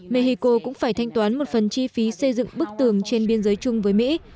mexico cũng phải thanh toán một phần chi phí xây dựng bức tường trên biên giới chung với mỹ